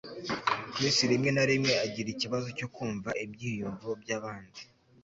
Chris rimwe na rimwe agira ikibazo cyo kumva ibyiyumvo byabandi